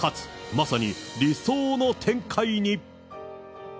まさに理想の展開に。